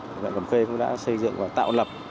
vận cẩm khê cũng đã xây dựng và tạo lập